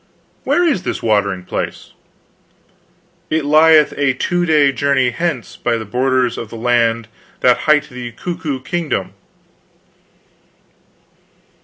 "Where is this watering place?" "It lieth a two day journey hence, by the borders of the land that hight the Cuckoo Kingdom."